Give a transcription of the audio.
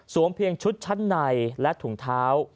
เพียงชุดชั้นในและถุงเท้า